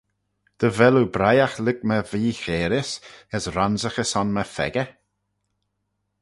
Dy vel oo briaght lurg my vee-chairys, as ronsaghey son my pheccah?